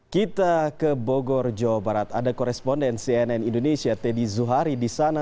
kita ke bogor jawa barat ada koresponden cnn indonesia teddy zuhari di sana